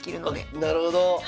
なるほど。